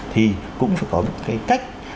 thì cũng phải có một cái cách